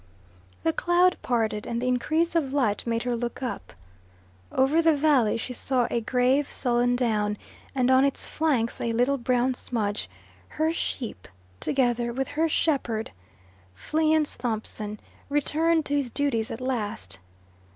The cloud parted, and the increase of light made her look up. Over the valley she saw a grave sullen down, and on its flanks a little brown smudge her sheep, together with her shepherd, Fleance Thompson, returned to his duties at last.